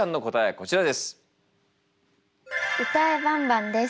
こちらです。